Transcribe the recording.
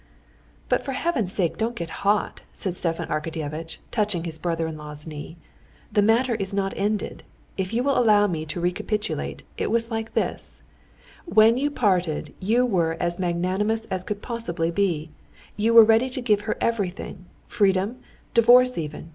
"But, for heaven's sake, don't get hot!" said Stepan Arkadyevitch, touching his brother in law's knee. "The matter is not ended. If you will allow me to recapitulate, it was like this: when you parted, you were as magnanimous as could possibly be; you were ready to give her everything—freedom, divorce even.